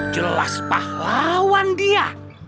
jelas pahlawan dia